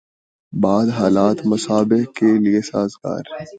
بعد حالات مصباح کے لیے سازگار